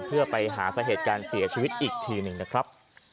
เพื่อไปหาสาเหตุการเสียชีวิตอีกทีหนึ่งนะครับ